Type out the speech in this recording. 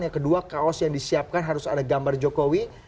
yang kedua kaos yang disiapkan harus ada gambar jokowi